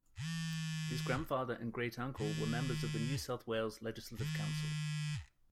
His grandfather and great-uncle were members of the New South Wales Legislative Council.